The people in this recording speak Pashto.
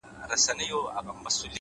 خاموش کار تر لوړ غږ اغېزمن دی؛